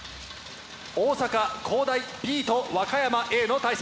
大阪公大Ｂと和歌山Ａの対戦です。